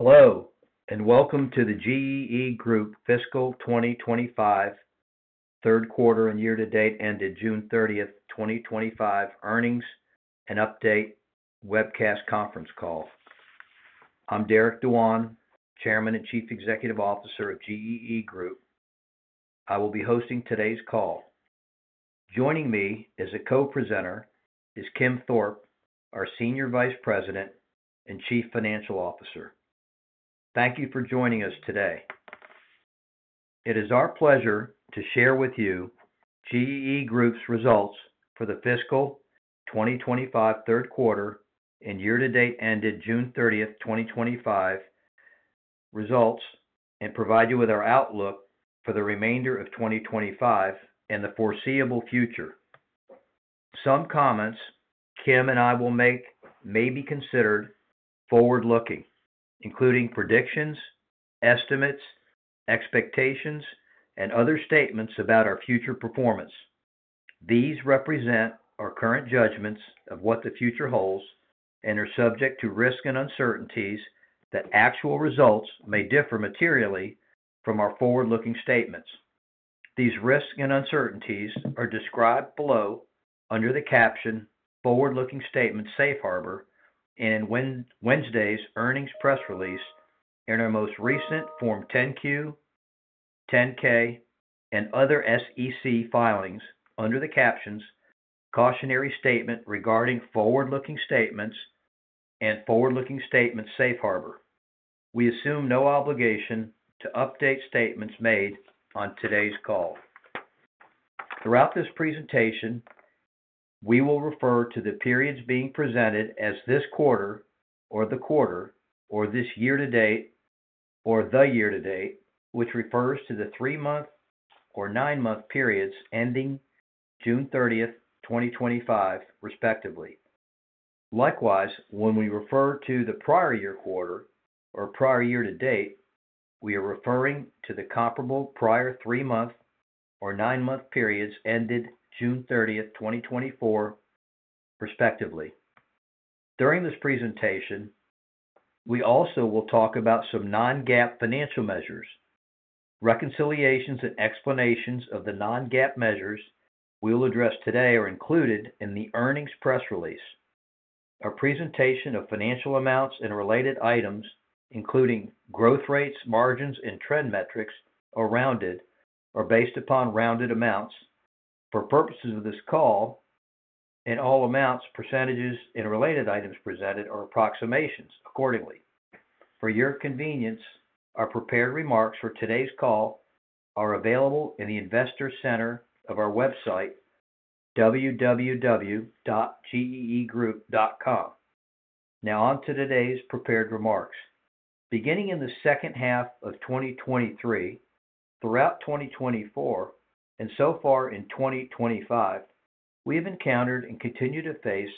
Hello, and welcome to the GEE Group Fiscal 2025 Third Quarter and Year-to-Date Ended June 30th, 2025 Earnings and Update Webcast Conference Call. I'm Derek Dewan, Chairman and Chief Executive Officer of GEE Group. I will be hosting today's call. Joining me as a co-presenter is Kim Thorpe, our Senior Vice President and Chief Financial Officer. Thank you for joining us today. It is our pleasure to share with you GEE Group's results for the fiscal 2025 third quarter and year-to-date ended June 30th, 2025 results and provide you with our outlook for the remainder of 2025 and the foreseeable future. Some comments Kim and I will make may be considered forward-looking, including predictions, estimates, expectations, and other statements about our future performance. These represent our current judgments of what the future holds and are subject to risk and uncertainties that actual results may differ materially from our forward-looking statements. These risks and uncertainties are described below under the caption "Forward-Looking Statement Safe Harbor" and in Wednesday's earnings press release and our most recent Form 10-Q, Form 10-K, and other SEC filings under the captions "Cautionary Statement Regarding Forward-Looking Statements" and "Forward-Looking Statement Safe Harbor." We assume no obligation to update statements made on today's call. Throughout this presentation, we will refer to the periods being presented as this quarter, or the quarter, or this year-to-date, or the year-to-date, which refers to the three-month or nine-month periods ending June 30th, 2025, respectively. Likewise, when we refer to the prior year quarter or prior year-to-date, we are referring to the comparable prior three-month or nine-month periods ended June 30th, 2024, respectively. During this presentation, we also will talk about some non-GAAP financial measures. Reconciliations and explanations of the non-GAAP measures we'll address today are included in the earnings press release. A presentation of financial amounts and related items, including growth rates, margins, and trend metrics, are based upon rounded amounts. For purposes of this call, all amounts, percentages, and related items presented are approximations accordingly. For your convenience, our prepared remarks for today's call are available in the Investor Center of our website, www.geegroup.com. Now on to today's prepared remarks. Beginning in the second half of 2023, throughout 2024, and so far in 2025, we have encountered and continue to face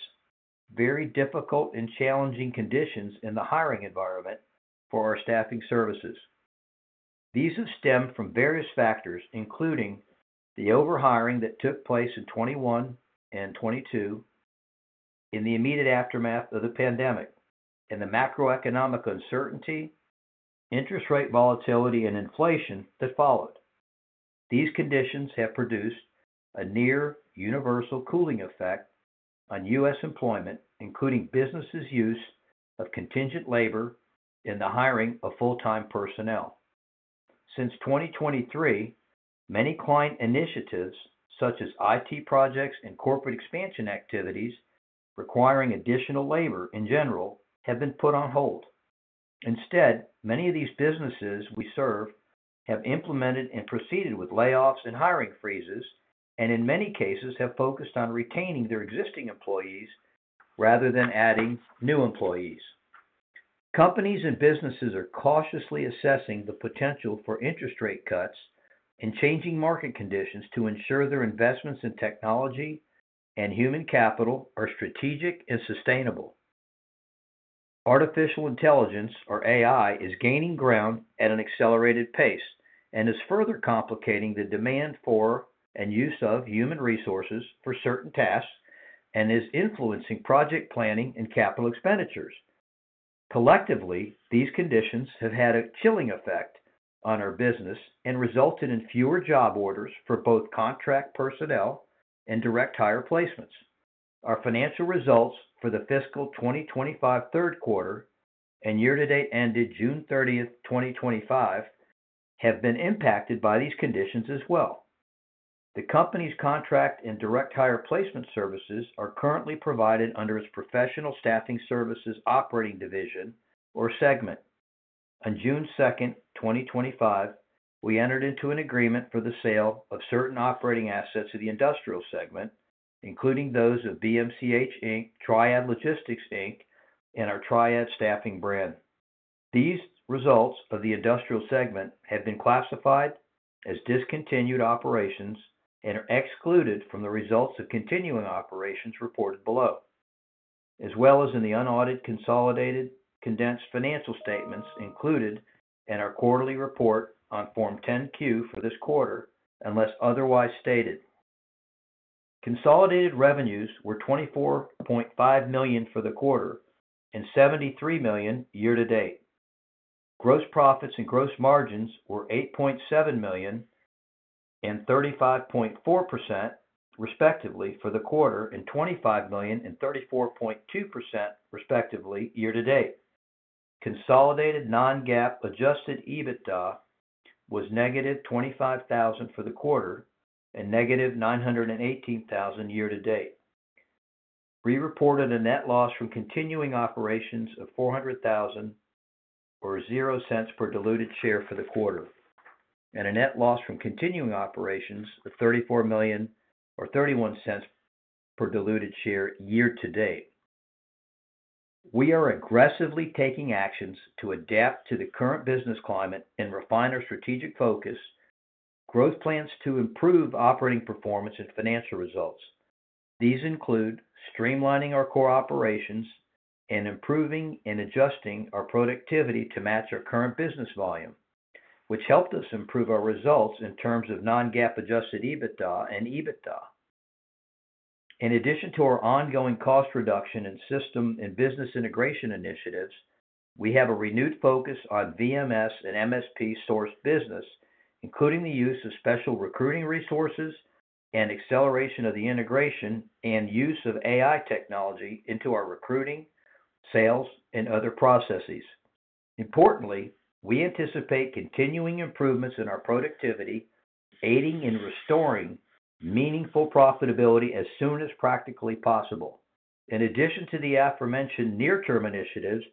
very difficult and challenging conditions in the hiring environment for our staffing services. These have stemmed from various factors, including the overhiring that took place in 2021 and 2022 in the immediate aftermath of the pandemic and the macroeconomic uncertainty, interest rate volatility, and inflation that followed. These conditions have produced a near-universal cooling effect on U.S. employment, including businesses' use of contingent labor and the hiring of full-time personnel. Since 2023, many client initiatives, such as IT projects and corporate expansion activities requiring additional labor in general, have been put on hold. Instead, many of these businesses we serve have implemented and proceeded with layoffs and hiring freezes, and in many cases have focused on retaining their existing employees rather than adding new employees. Companies and businesses are cautiously assessing the potential for interest rate cuts and changing market conditions to ensure their investments in technology and human capital are strategic and sustainable. Artificial intelligence, or AI, is gaining ground at an accelerated pace and is further complicating the demand for and use of human resources for certain tasks and is influencing project planning and capital expenditures. Collectively, these conditions have had a chilling effect on our business and resulted in fewer job orders for both contract personnel and direct-hire placements. Our financial results for the fiscal 2025 third quarter and year-to-date ended June 30th, 2025, have been impacted by these conditions as well. The company's contract and direct-hire placement services are currently provided under its Professional Staffing Services Operating Division, or SEGMID. On June 2nd, 2025, we entered into an agreement for the sale of certain operating assets of the industrial segment, including those of BMCH Inc., Triad Logistics Inc., and our Triad Staffing brand. These results of the industrial segment have been classified as discontinued operations and are excluded from the results of continuing operations reported below, as well as in the unaudited consolidated condensed financial statements included in our quarterly report on Form 10-Q for this quarter, unless otherwise stated. Consolidated revenues were $24.5 million for the quarter and $73 million year-to-date. Gross profits and gross margins were $8.7 million and 35.4%, respectively, for the quarter and $25 million and 34.2%, respectively, year-to-date. Consolidated non-GAAP adjusted EBITDA was -$25,000 for the quarter and -$918,000 year-to-date. We reported a net loss from continuing operations of $400,000 or $0 per diluted share for the quarter and a net loss from continuing operations of $3.4 million or $0.31 per diluted share year-to-date. We are aggressively taking actions to adapt to the current business climate and refine our strategic focus, growth plans to improve operating performance and financial results. These include streamlining our core operations and improving and adjusting our productivity to match our current business volume, which helped us improve our results in terms of non-GAAP adjusted EBITDA and EBITDA. In addition to our ongoing cost reduction and system and business integration initiatives, we have a renewed focus on VMS and MSP source business, including the use of special recruiting resources and acceleration of the integration and use of AI technology into our recruiting, sales, and other processes. Importantly, we anticipate continuing improvements in our productivity, aiding in restoring meaningful profitability as soon as practically possible. In addition to the aforementioned near-term initiatives,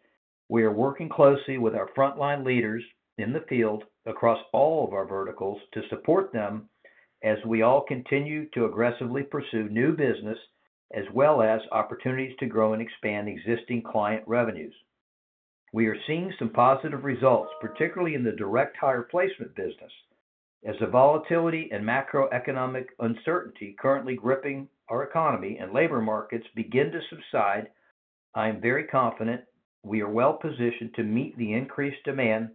we are working closely with our frontline leaders in the field across all of our verticals to support them as we all continue to aggressively pursue new business as well as opportunities to grow and expand existing client revenues. We are seeing some positive results, particularly in the direct-hire placement business. As the volatility and macroeconomic uncertainty currently gripping our economy and labor markets begin to subside, I am very confident we are well positioned to meet the increased demand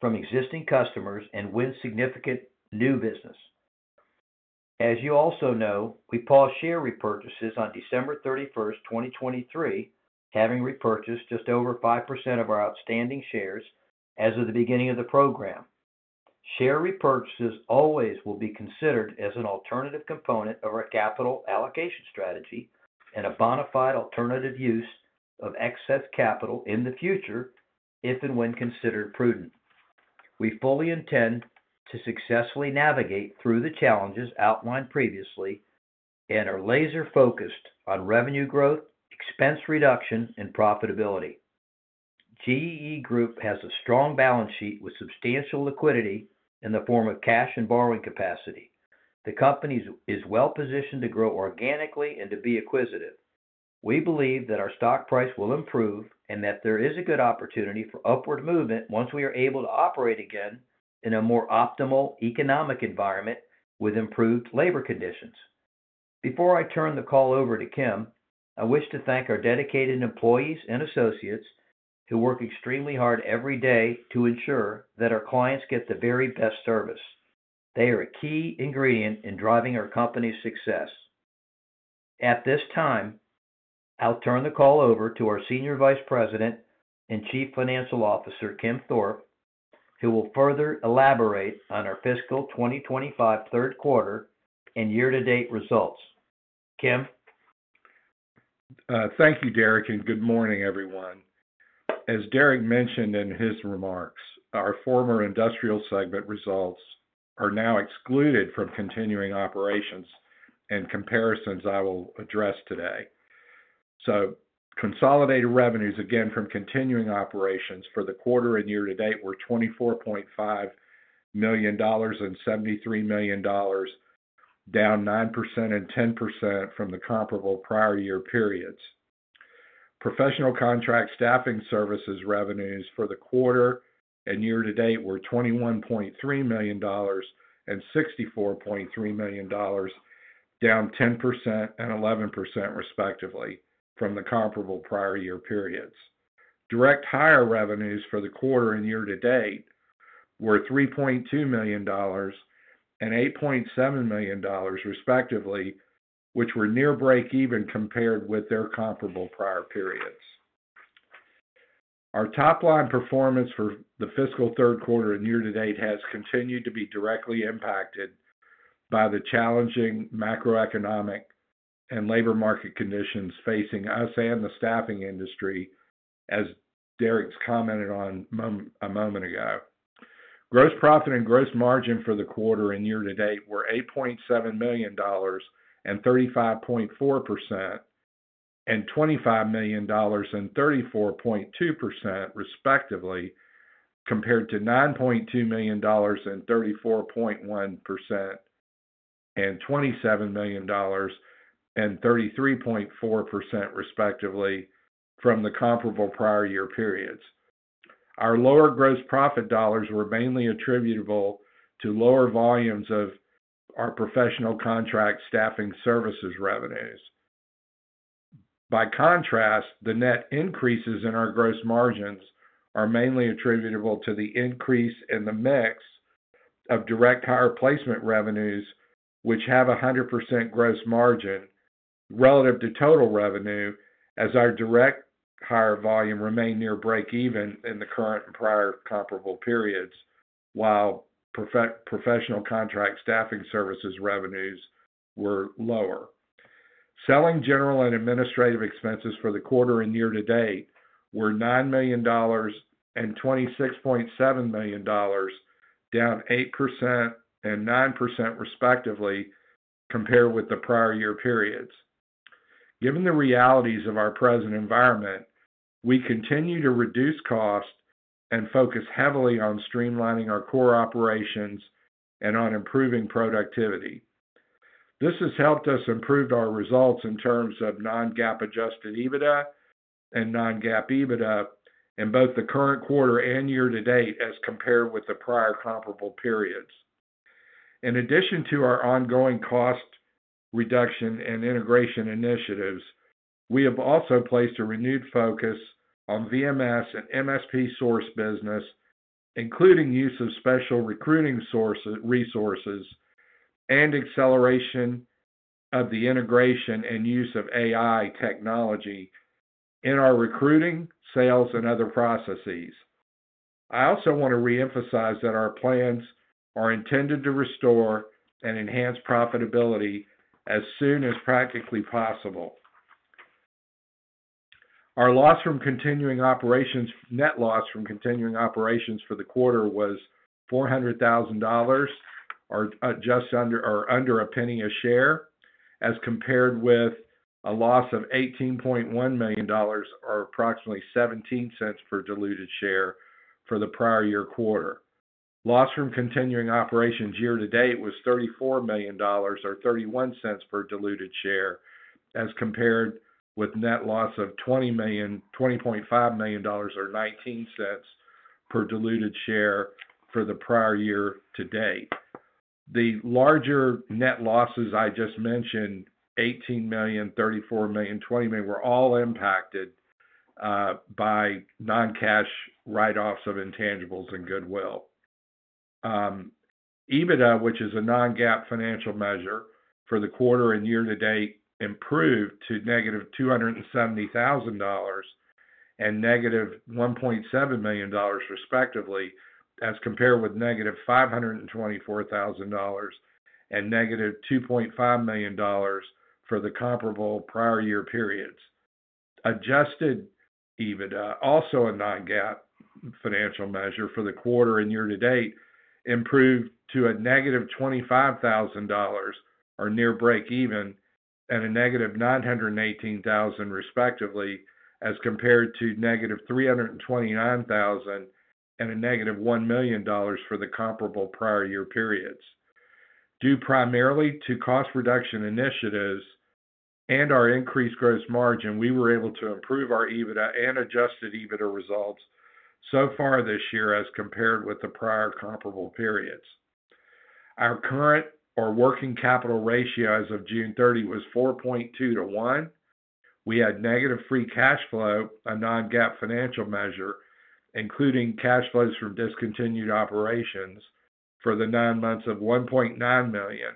from existing customers and win significant new business. As you also know, we paused share repurchases on December 31st, 2023, having repurchased just over 5% of our outstanding shares as of the beginning of the program. Share repurchases always will be considered as an alternative component of our capital allocation strategy and a bona fide alternative use of excess capital in the future if and when considered prudent. We fully intend to successfully navigate through the challenges outlined previously and are laser-focused on revenue growth, expense reduction, and profitability. GEE Group has a strong balance sheet with substantial liquidity in the form of cash and borrowing capacity. The company is well positioned to grow organically and to be acquisitive. We believe that our stock price will improve and that there is a good opportunity for upward movement once we are able to operate again in a more optimal economic environment with improved labor conditions. Before I turn the call over to Kim, I wish to thank our dedicated employees and associates who work extremely hard every day to ensure that our clients get the very best service. They are a key ingredient in driving our company's success. At this time, I'll turn the call over to our Senior Vice President and Chief Financial Officer, Kim Thorpe, who will further elaborate on our fiscal 2025 third quarter and year-to-date results. Kim? Thank you, Derek, and good morning, everyone. As Derek mentioned in his remarks, our former industrial segment results are now excluded from continuing operations and comparisons I will address today. Consolidated revenues again from continuing operations for the quarter and year-to-date were $24.5 million and $73 million, down 9% and 10% from the comparable prior year periods. Professional Contract Staffing Services revenues for the quarter and year-to-date were $21.3 million and $64.3 million, down 10% and 11%, respectively, from the comparable prior year periods. Direct-hire revenues for the quarter and year-to-date were $3.2 million and $8.7 million, respectively, which were near break-even compared with their comparable prior periods. Our top-line performance for the fiscal third quarter and year-to-date has continued to be directly impacted by the challenging macroeconomic and labor market conditions facing us and the staffing industry, as Derek commented on a moment ago. Gross profit and gross margin for the quarter and year-to-date were $8.7 million and 35.4% and $25 million and 34.2%, respectively, compared to $9.2 million and 34.1% and $27 million and 33.4%, respectively, from the comparable prior year periods. Our lower gross profit dollars were mainly attributable to lower volumes of our Professional Contract Staffing Services revenues. By contrast, the net increases in our gross margins are mainly attributable to the increase in the mix of direct-hire placement revenues, which have a 100% gross margin relative to total revenue, as our direct-hire volume remained near break-even in the current and prior comparable periods, while Professional Contract Staffing Services revenues were lower. Selling, general and administrative expenses for the quarter and year-to-date were $9 million and $26.7 million, down 8% and 9%, respectively, compared with the prior year periods. Given the realities of our present environment, we continue to reduce costs and focus heavily on streamlining our core operations and on improving productivity. This has helped us improve our results in terms of non-GAAP adjusted EBITDA and non-GAAP EBITDA in both the current quarter and year-to-date as compared with the prior comparable periods. In addition to our ongoing cost reduction and integration initiatives, we have also placed a renewed focus on VMS and MSP source business, including use of special recruiting resources and acceleration of the integration and use of AI technology in our recruiting, sales, and other processes. I also want to reemphasize that our plans are intended to restore and enhance profitability as soon as practically possible. Our loss from continuing operations, net loss from continuing operations for the quarter was $400,000 or just under $0.01 a share, as compared with a loss of $18.1 million or approximately $0.17 per diluted share for the prior year quarter. Loss from continuing operations year-to-date was $34 million or $0.31 per diluted share, as compared with net loss of $20 million, $20.5 million or $0.19 per diluted share for the prior year-to-date. The larger net losses I just mentioned, $18 million, $34 million, and $20 million, were all impacted by non-cash write-offs of intangibles and goodwill. EBITDA, which is a non-GAAP financial measure for the quarter and year-to-date, improved to -$270,000 and -$1.7 million, respectively, as compared with -$524,000 and -$2.5 million for the comparable prior year periods. Adjusted EBITDA, also a non-GAAP financial measure for the quarter and year-to-date, improved to a -$25,000 or near break-even and a -$918,000, respectively, as compared to -$329,000 and a -$1 million for the comparable prior year periods. Due primarily to cost reduction initiatives and our increased gross margin, we were able to improve our EBITDA and adjusted EBITDA results so far this year as compared with the prior comparable periods. Our current or working capital ratio as of June 30 was 4.2 to 1. We had negative free cash flow, a non-GAAP financial measure, including cash flows from discontinued operations for the nine months of $1.9 million,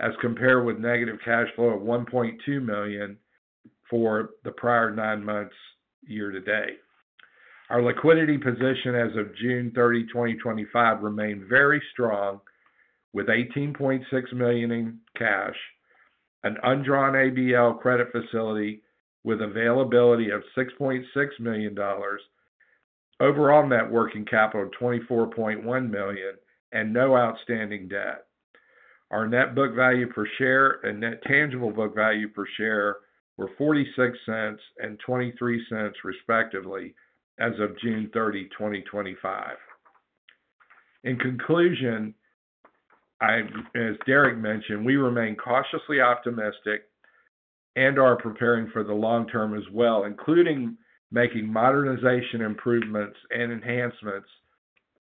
as compared with negative cash flow of $1.2 million for the prior nine months year-to-date. Our liquidity position as of June 30, 2025, remained very strong with $18.6 million in cash, an undrawn ADL credit facility with availability of $6.6 million, overall net working capital of $24.1 million, and no outstanding debt. Our net book value per share and net tangible book value per share were $0.46 and $0.23, respectively, as of June 30, 2025. In conclusion, as Derek mentioned, we remain cautiously optimistic and are preparing for the long term as well, including making modernization improvements and enhancements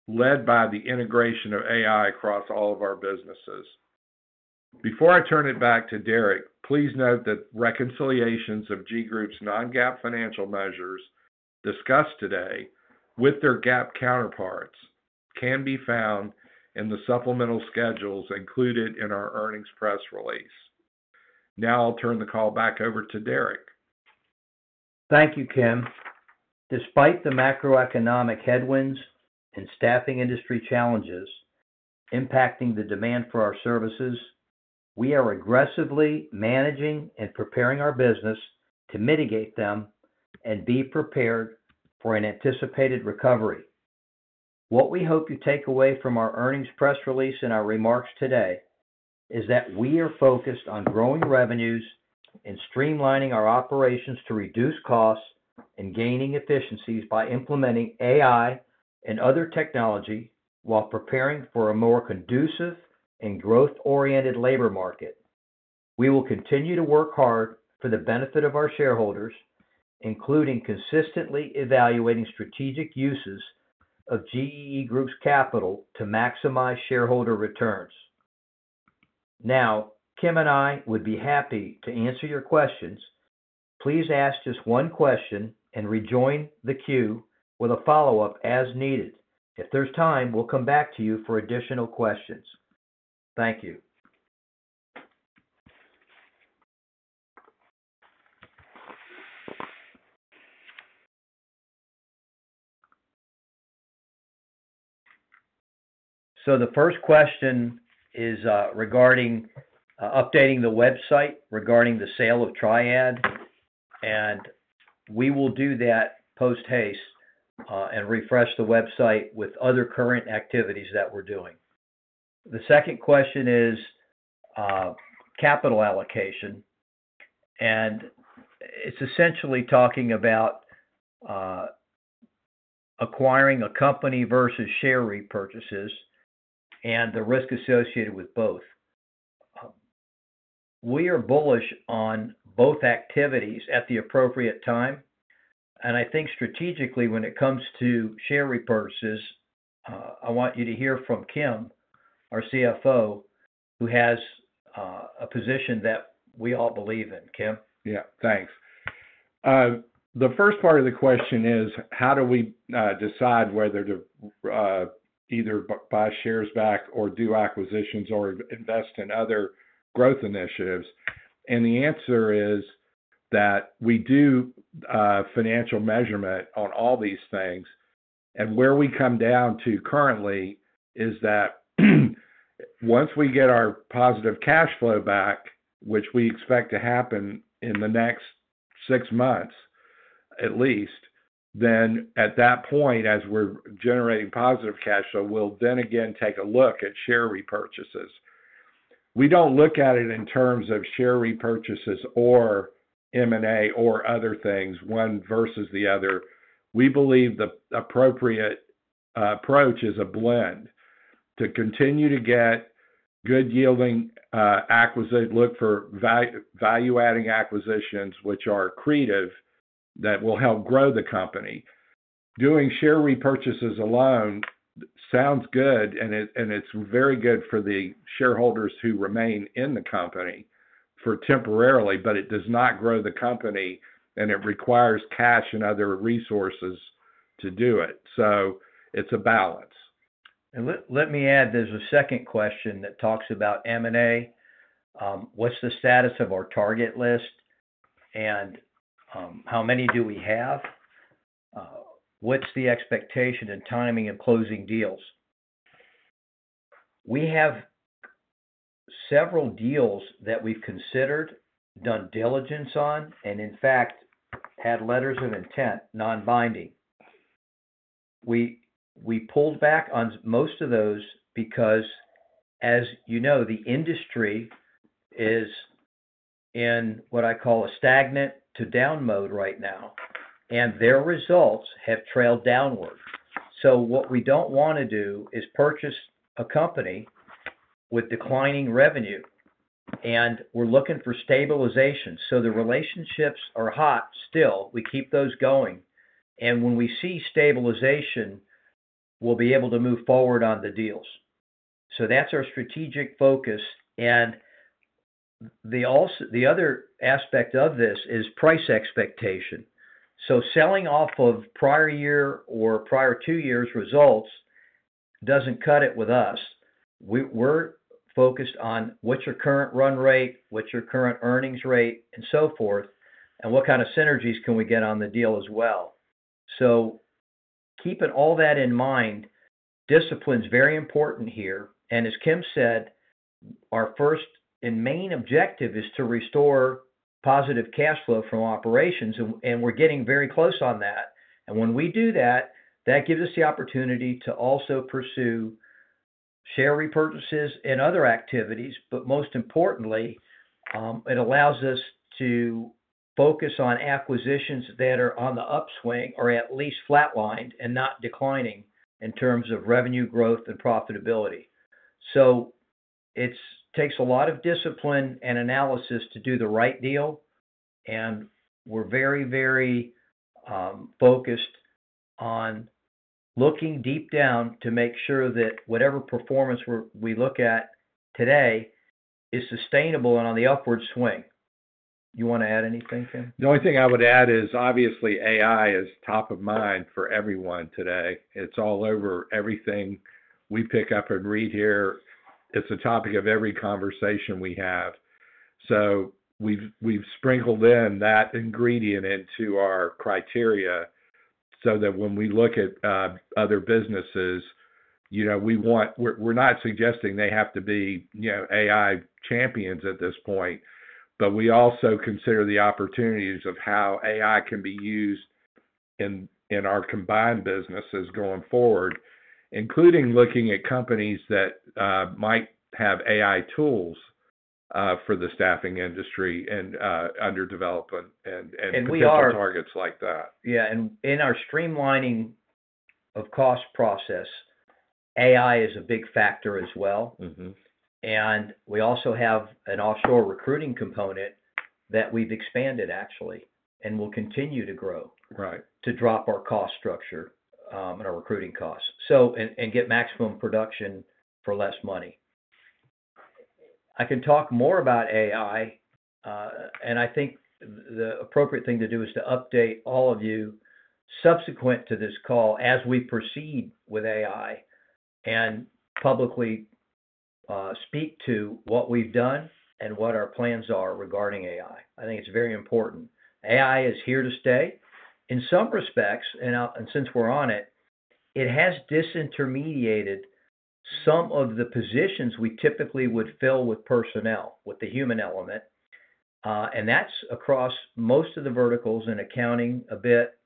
led by the integration of AI across all of our businesses. Before I turn it back to Derek, please note that reconciliations of GEE Group's non-GAAP financial measures discussed today with their GAAP counterparts can be found in the supplemental schedules included in our earnings press release. Now I'll turn the call back over to Derek. Thank you, Kim. Despite the macroeconomic headwinds and staffing industry challenges impacting the demand for our services, we are aggressively managing and preparing our business to mitigate them and be prepared for an anticipated recovery. What we hope you take away from our earnings press release and our remarks today is that we are focused on growing revenues and streamlining our operations to reduce costs and gaining efficiencies by implementing AI and other technology while preparing for a more conducive and growth-oriented labor market. We will continue to work hard for the benefit of our shareholders, including consistently evaluating strategic uses of GEE Group's capital to maximize shareholder returns. Kim and I would be happy to answer your questions. Please ask just one question and rejoin the queue with a follow-up as needed. If there's time, we'll come back to you for additional questions. Thank you. The first question is regarding updating the website regarding the sale of Triad, and we will do that posthaste, and refresh the website with other current activities that we're doing. The second question is, capital allocation, and it's essentially talking about acquiring a company versus share repurchases and the risk associated with both. We are bullish on both activities at the appropriate time, and I think strategically when it comes to share repurchases, I want you to hear from Kim, our CFO, who has a position that we all believe in. Kim? Yeah, thanks. The first part of the question is, how do we decide whether to either buy shares back or do acquisitions or invest in other growth initiatives? The answer is that we do financial measurement on all these things. Where we come down to currently is that once we get our positive cash flow back, which we expect to happen in the next six months at least, at that point, as we're generating positive cash flow, we'll then again take a look at share repurchases. We don't look at it in terms of share repurchases or M&A or other things, one versus the other. We believe the appropriate approach is a blend to continue to get good yielding, acquisite, look for value-adding acquisitions, which are accretive, that will help grow the company. Doing share repurchases alone sounds good, and it's very good for the shareholders who remain in the company temporarily, but it does not grow the company, and it requires cash and other resources to do it. It's a balance. Let me add, there's a second question that talks about M&A. What's the status of our target list, and how many do we have? What's the expectation and timing of closing deals? We have several deals that we've considered, done diligence on, and in fact, had letters of intent, non-binding. We pulled back on most of those because, as you know, the industry is in what I call a stagnant-to-down mode right now, and their results have trailed downward. What we don't want to do is purchase a company with declining revenue, and we're looking for stabilization. The relationships are hot still. We keep those going, and when we see stabilization, we'll be able to move forward on the deals. That's our strategic focus. The other aspect of this is price expectation. Selling off of prior year or prior two years' results doesn't cut it with us. We're focused on what's your current run rate, what's your current earnings rate, and so forth, and what kind of synergies can we get on the deal as well. Keeping all that in mind, discipline is very important here. As Kim said, our first and main objective is to restore positive cash flow from operations, and we're getting very close on that. When we do that, that gives us the opportunity to also pursue share repurchases and other activities. Most importantly, it allows us to focus on acquisitions that are on the upswing or at least flatlined and not declining in terms of revenue growth and profitability. It takes a lot of discipline and analysis to do the right deal. We're very, very focused on looking deep down to make sure that whatever performance we look at today is sustainable and on the upward swing. You want to add anything, Kim? The only thing I would add is obviously AI is top of mind for everyone today. It's all over everything we pick up and read here. It's a topic of every conversation we have. We've sprinkled in that ingredient into our criteria so that when we look at other businesses, we want, we're not suggesting they have to be AI champions at this point, but we also consider the opportunities of how AI can be used in our combined businesses going forward, including looking at companies that might have AI tools for the staffing industry and under development and targets like that. Yeah, and in our streamlining of cost process, AI is a big factor as well. We also have an offshore recruiting component that we've expanded, actually, and will continue to grow to drop our cost structure and our recruiting costs, and get maximum production for less money. I can talk more about AI, and I think the appropriate thing to do is to update all of you subsequent to this call as we proceed with AI and publicly speak to what we've done and what our plans are regarding AI. I think it's very important. AI is here to stay. In some respects, and since we're on it, it has disintermediated some of the positions we typically would fill with personnel, with the human element. That's across most of the verticals in accounting a bit.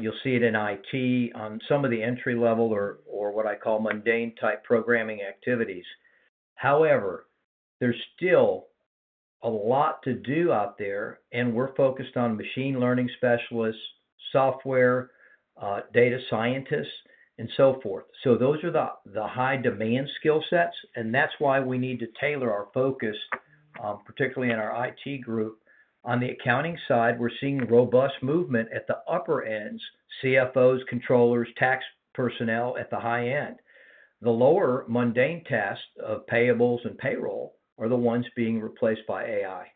You'll see it in IT on some of the entry-level or what I call mundane type programming activities. However, there's still a lot to do out there, and we're focused on machine learning specialists, software, data scientists, and so forth. Those are the high-demand skill sets, and that's why we need to tailor our focus, particularly in our IT group. On the accounting side, we're seeing robust movement at the upper ends: CFOs, controllers, tax personnel at the high end. The lower mundane tasks of payables and payroll are the ones being replaced by AI.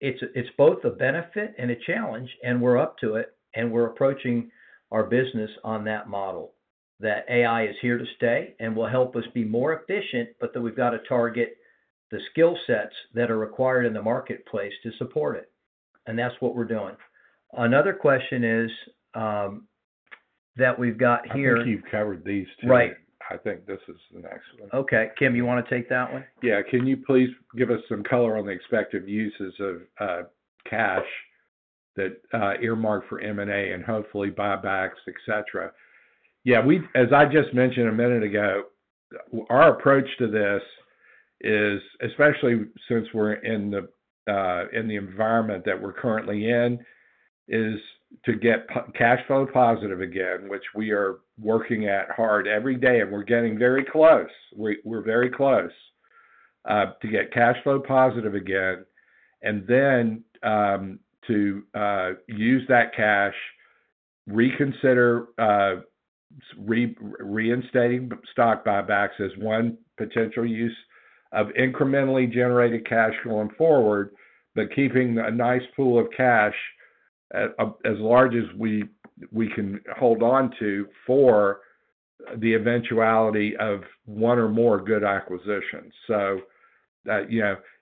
It's both a benefit and a challenge, and we're up to it, and we're approaching our business on that model, that AI is here to stay and will help us be more efficient, but that we've got to target the skill sets that are required in the marketplace to support it. That's what we're doing. Another question is that we've got here. I think you've covered these. I think this is excellent. Okay, Kim, you want to take that one? Yeah, can you please give us some color on the expected uses of cash that are earmarked for M&A and hopefully buybacks, et cetera? Yeah, as I just mentioned a minute ago, our approach to this is, especially since we're in the environment that we're currently in, to get cash flow positive again, which we are working at hard every day, and we're getting very close. We're very close to getting cash flow positive again. Then to use that cash, reconsider reinstating stock buybacks as one potential use of incrementally generated cash going forward, but keeping a nice pool of cash as large as we can hold on to for the eventuality of one or more good acquisitions.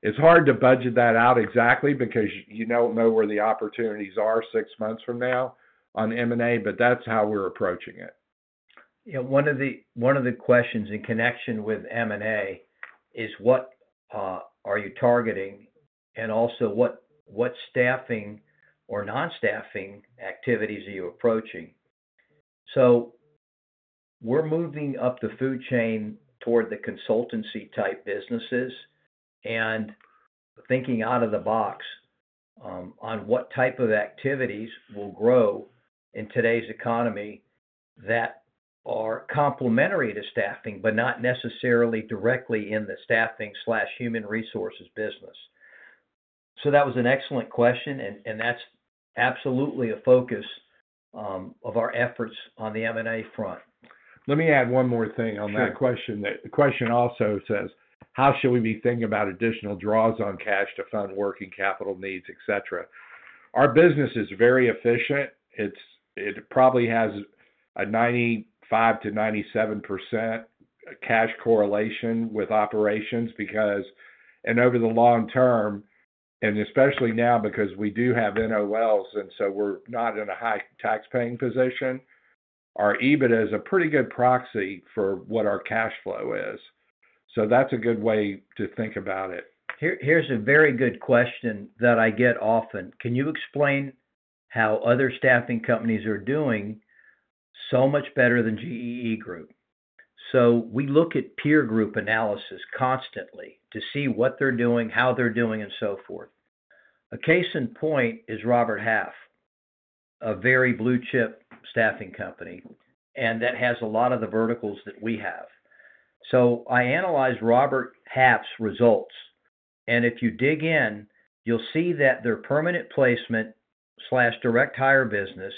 It's hard to budget that out exactly because you don't know where the opportunities are six months from now on M&A, but that's how we're approaching it. Yeah, one of the questions in connection with M&A is what are you targeting and also what staffing or non-staffing activities are you approaching? We're moving up the food chain toward the consultancy-type businesses and thinking out of the box on what type of activities will grow in today's economy that are complementary to staffing but not necessarily directly in the staffing/human resources business. That was an excellent question, and that's absolutely a focus of our efforts on the M&A front. Let me add one more thing on that question. The question also says, how should we be thinking about additional draws on cash to fund working capital needs, et cetera? Our business is very efficient. It probably has a 95%-97% cash correlation with operations because, over the long term, and especially now because we do have NOLs, and we're not in a high tax-paying position, our EBITDA is a pretty good proxy for what our cash flow is. That's a good way to think about it. Here's a very good question that I get often. Can you explain how other staffing companies are doing so much better than GEE Group? We look at peer group analysis constantly to see what they're doing, how they're doing, and so forth. A case in point is Robert Half, a very blue-chip staffing company, and that has a lot of the verticals that we have. I analyzed Robert Half's results, and if you dig in, you'll see that their permanent placement/direct-hire business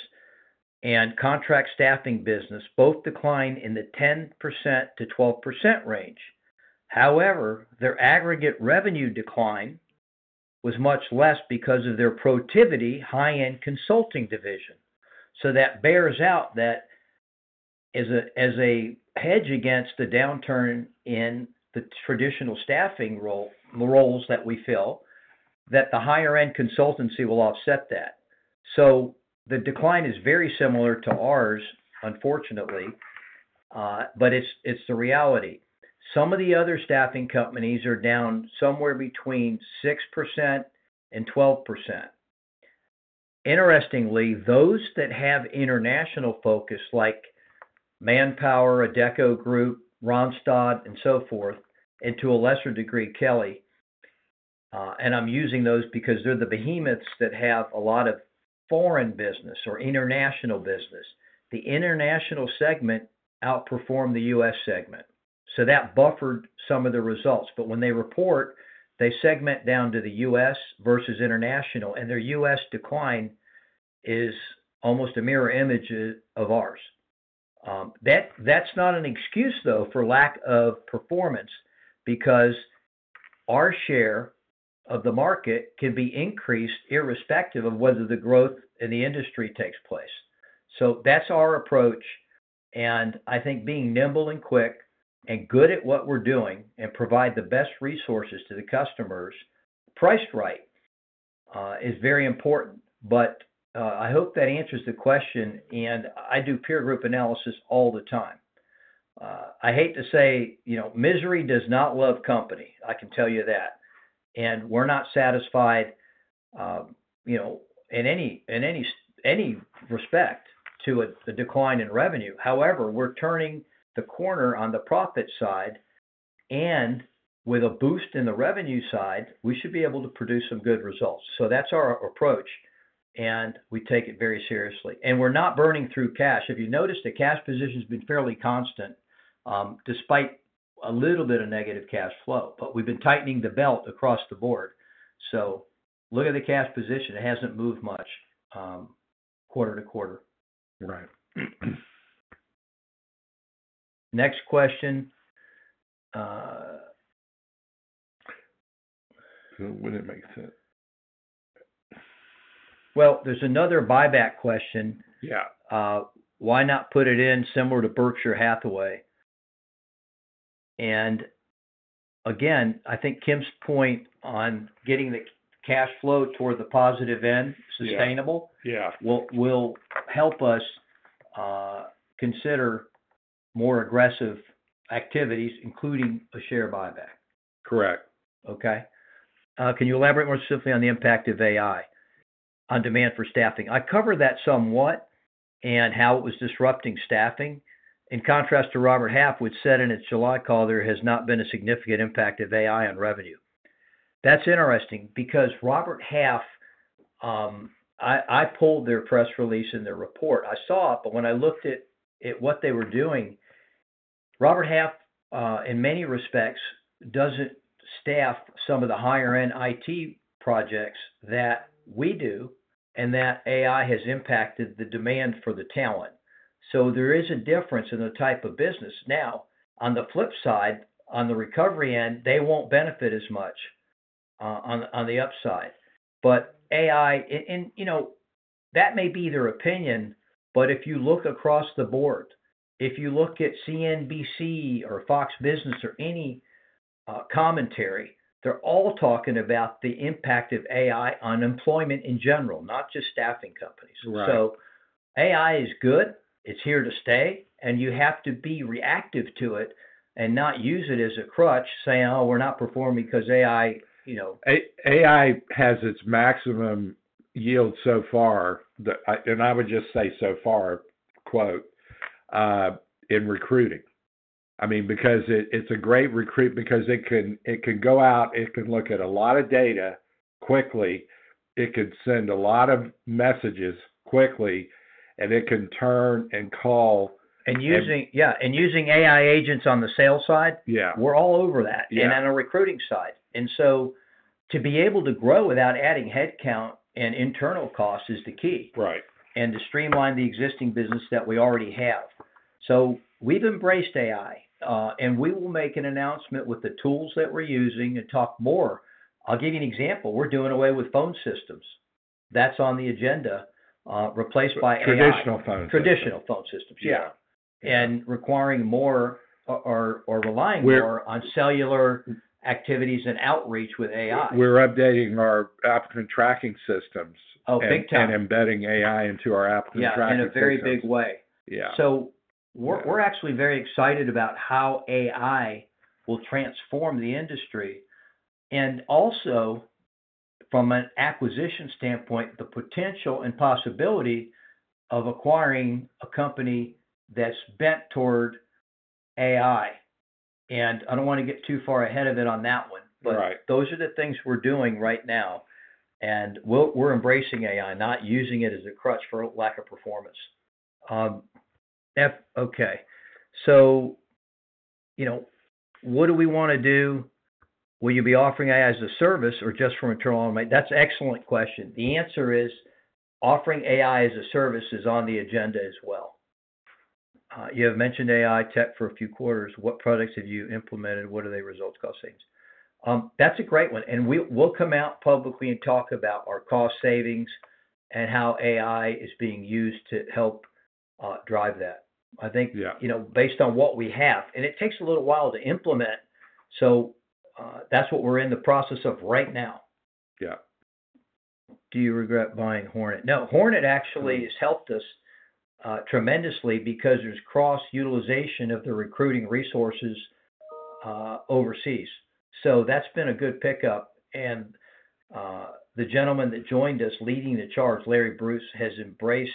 and contract staffing business both decline in the 10%-12% range. However, their aggregate revenue decline was much less because of their Protiviti high-end consulting division. That bears out that as a hedge against the downturn in the traditional staffing roles that we fill, the higher-end consultancy will offset that. The decline is very similar to ours, unfortunately, but it's the reality. Some of the other staffing companies are down somewhere between 6% and 12%. Interestingly, those that have international focus like ManpowerGroup, Adecco Group, Randstad, and so forth, and to a lesser degree, Kelly, and I'm using those because they're the behemoths that have a lot of foreign business or international business, the international segment outperformed the U.S. segment. That buffered some of the results. When they report, they segment down to the U.S. versus international, and their U.S. decline is almost a mirror image of ours. That's not an excuse, though, for lack of performance because our share of the market can be increased irrespective of whether the growth in the industry takes place. That's our approach. I think being nimble and quick and good at what we're doing and provide the best resources to the customers priced right is very important. I hope that answers the question. I do peer group analysis all the time. I hate to say, you know, misery does not love company. I can tell you that. We're not satisfied, you know, in any respect to a decline in revenue. However, we're turning the corner on the profit side, and with a boost in the revenue side, we should be able to produce some good results. That's our approach, and we take it very seriously. We're not burning through cash. If you notice, the cash position has been fairly constant despite a little bit of negative cash flow, but we've been tightening the belt across the board. Look at the cash position. It hasn't moved much quarter to quarter. Right. Next question. When it makes sense. There is another buyback question. Yeah. Why not put it in similar to Berkshire Hathaway? I think Kim's point on getting the cash flow toward the positive end sustainable will help us consider more aggressive activities, including a share buyback. Correct. Okay. Can you elaborate more specifically on the impact of AI on demand for staffing? I covered that somewhat and how it was disrupting staffing. In contrast to Robert Half, which said in its July call, there has not been a significant impact of AI on revenue. That's interesting because Robert Half, I pulled their press release in the report. I saw it, but when I looked at what they were doing, Robert Half, in many respects, doesn't staff some of the higher-end IT projects that we do, and that AI has impacted the demand for the talent. There is a difference in the type of business. Now, on the flip side, on the recovery end, they won't benefit as much on the upside. AI, and you know, that may be their opinion, but if you look across the board, if you look at CNBC or Fox Business or any commentary, they're all talking about the impact of AI on employment in general, not just staffing companies. AI is good. It's here to stay, and you have to be reactive to it and not use it as a crutch, saying, oh, we're not performing because AI, you know. AI has its maximum yield so far, and I would just say so far, in recruiting. I mean, because it's a great recruitment because it can go out, it can look at a lot of data quickly, it could send a lot of messages quickly, and it can turn and call. Using AI agents on the sales side. Yeah. We're all over that. Yeah. On a recruiting side, to be able to grow without adding headcount and internal costs is the key. Right. To streamline the existing business that we already have, we've embraced AI, and we will make an announcement with the tools that we're using and talk more. I'll give you an example. We're doing away with phone systems, that's on the agenda, replaced by AI. Traditional phone systems. Traditional phone systems, yeah. Yeah. Requiring more or relying more on cellular activities and outreach with AI. We're updating our applicant tracking systems. Oh, big time. Embedding AI into our applicant tracking systems. Yeah, in a very big way. Yeah. We are actually very excited about how AI will transform the industry and also, from an acquisition standpoint, the potential and possibility of acquiring a company that's bent toward AI. I don't want to get too far ahead of it on that one, but those are the things we're doing right now. We're embracing AI, not using it as a crutch for lack of performance. What do we want to do? Will you be offering AI as a service or just for internal automation? That's an excellent question. The answer is offering AI as a service is on the agenda as well. You have mentioned AI tech for a few quarters. What products have you implemented? What are the results, cost savings? That's a great one. We'll come out publicly and talk about our cost savings and how AI is being used to help drive that. I think, based on what we have, it takes a little while to implement. That's what we're in the process of right now. Yeah. Do you regret buying Hornet? No, Hornet actually has helped us tremendously because there's cross-utilization of the recruiting resources overseas. That's been a good pickup. The gentleman that joined us leading the charge, Larry Bruce, has embraced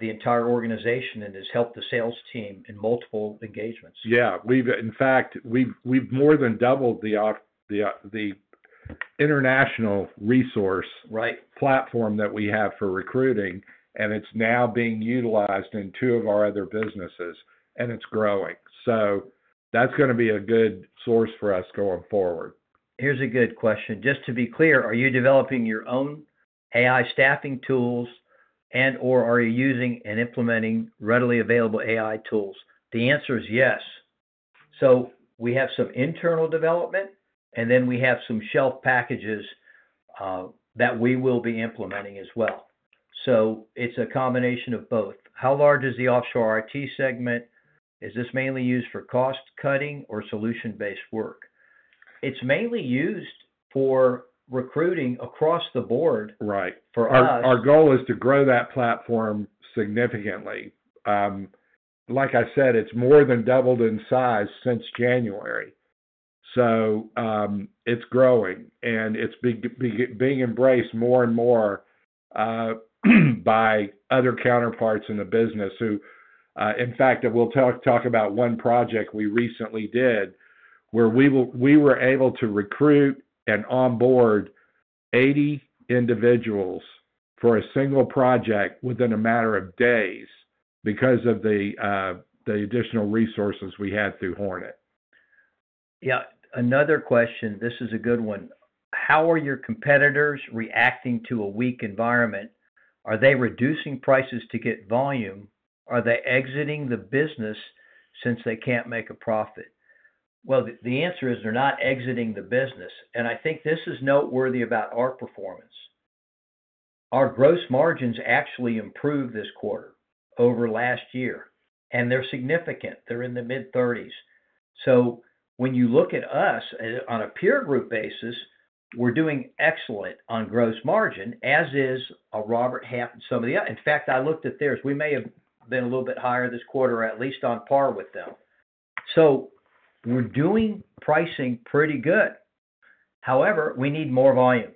the entire organization and has helped the sales team in multiple engagements. Yeah, in fact, we've more than doubled the international resource platform that we have for recruiting, and it's now being utilized in two of our other businesses, and it's growing. That is going to be a good source for us going forward. Here's a good question. Just to be clear, are you developing your own AI staffing tools and/or are you using and implementing readily available AI tools? The answer is yes. We have some internal development, and then we have some shelf packages that we will be implementing as well. It's a combination of both. How large is the offshore IT segment? Is this mainly used for cost cutting or solution-based work? It's mainly used for recruiting across the board. Right. Our goal is to grow that platform significantly. Like I said, it's more than doubled in size since January. It's growing and it's being embraced more and more by other counterparts in the business who, in fact, I will talk about one project we recently did where we were able to recruit and onboard 80 individuals for a single project within a matter of days because of the additional resources we had through Hornet. Yeah. Another question. This is a good one. How are your competitors reacting to a weak environment? Are they reducing prices to get volume? Are they exiting the business since they can't make a profit? The answer is they're not exiting the business. I think this is noteworthy about our performance. Our gross margins actually improved this quarter over last year, and they're significant. They're in the mid-30%. When you look at us on a peer group basis, we're doing excellent on gross margin, as is Robert Half, some of the others. In fact, I looked at theirs. We may have been a little bit higher this quarter, at least on par with them. We're doing pricing pretty good. However, we need more volume.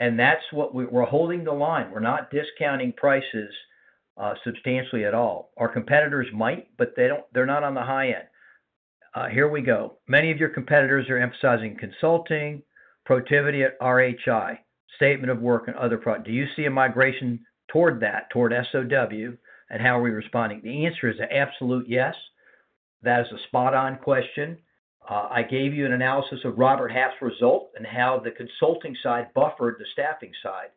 That's what we're holding the line. We're not discounting prices substantially at all. Our competitors might, but they're not on the high end. Here we go. Many of your competitors are emphasizing consulting, Protiviti at RHI, statement of work, and other products. Do you see a migration toward that, toward SOW, and how are we responding? The answer is an absolute yes. That is a spot-on question. I gave you an analysis of Robert Half's result and how the consulting side buffered the staffing side.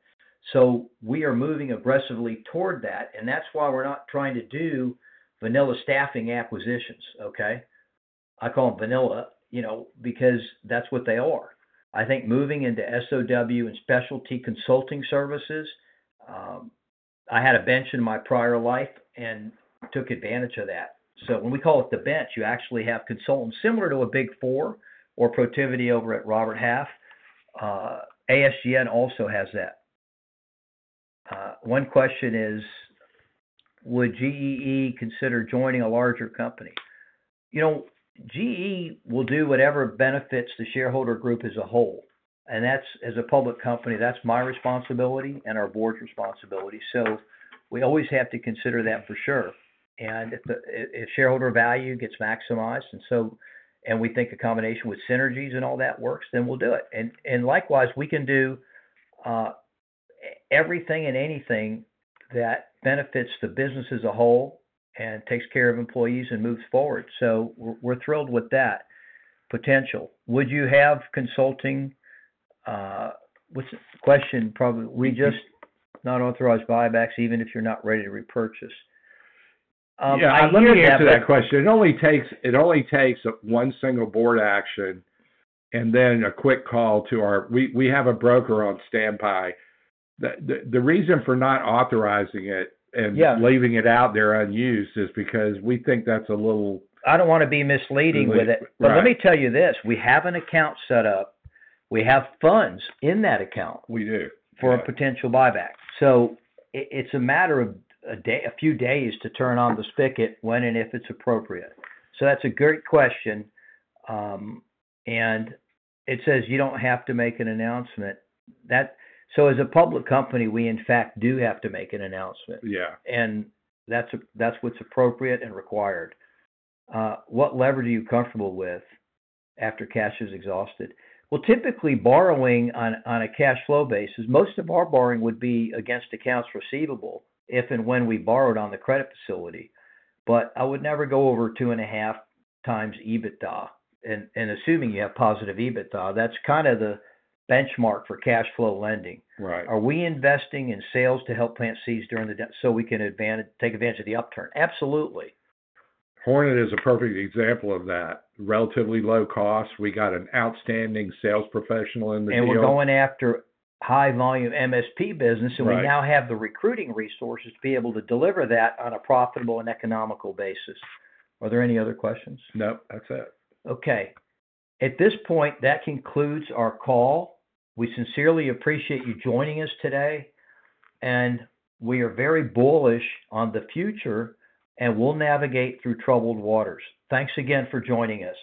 We are moving aggressively toward that. That's why we're not trying to do vanilla staffing acquisitions, okay? I call them vanilla, you know, because that's what they are. I think moving into SOW and specialty consulting services, I had a bench in my prior life and took advantage of that. When we call it the bench, you actually have consultants similar to a Big Four or Protiviti over at Robert Half. ASGN also has that. One question is, would GEE Group consider joining a larger company? You know, GEE Group will do whatever benefits the shareholder group as a whole. As a public company, that's my responsibility and our board's responsibility. We always have to consider that for sure. If shareholder value gets maximized, and we think a combination with synergies and all that works, then we'll do it. Likewise, we can do everything and anything that benefits the business as a whole and takes care of employees and moves forward. We're thrilled with that potential. Would you have consulting? What's the question? Probably we just not authorize buybacks even if you're not ready to repurchase. Yeah, I'd love to ask that question. It only takes one single board action and then a quick call to our, we have a broker on standby. The reason for not authorizing it and leaving it out there unused is because we think that's a little. I don't want to be misleading with it. Let me tell you this: we have an account set up, and we have funds in that account. We do. For a potential buyback, it's a matter of a few days to turn on the spigot when and if it's appropriate. That's a great question. It says you don't have to make an announcement. As a public company, we in fact do have to make an announcement. Yeah. That's what's appropriate and required. What leverage are you comfortable with after cash is exhausted? Typically, borrowing on a cash flow basis, most of our borrowing would be against accounts receivable if and when we borrowed on the credit facility. I would never go over 2.5x EBITDA. Assuming you have positive EBITDA, that's kind of the benchmark for cash flow lending. Right. Are we investing in sales to help plant seeds so we can take advantage of the upturn? Absolutely. Hornet is a perfect example of that. Relatively low cost, we got an outstanding sales professional in the field. We're going after high-volume MSP business, and we now have the recruiting resources to be able to deliver that on a profitable and economical basis. Are there any other questions? No, that's it. Okay. At this point, that concludes our call. We sincerely appreciate you joining us today, and we are very bullish on the future, and we'll navigate through troubled waters. Thanks again for joining us.